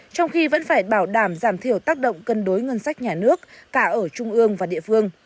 trong khi vẫn phải bảo đảm giảm thiểu tác động cân đối ngân sách nhà nước cả ở trung ương và địa phương